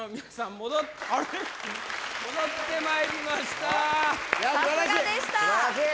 戻ってまいりましたさすがでしたいやー